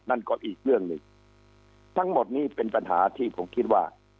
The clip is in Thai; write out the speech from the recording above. นั่นก็อีกเรื่องหนึ่งทั้งหมดนี้เป็นปัญหาที่ผมคิดว่า